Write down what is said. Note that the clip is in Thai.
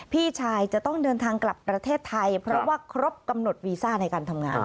พี่ชายจะต้องเดินทางกลับประเทศไทยเพราะว่าครบกำหนดวีซ่าในการทำงาน